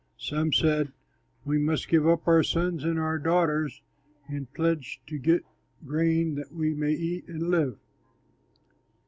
Some said, "We must give up our sons and our daughters in pledge to get grain that we may eat and live."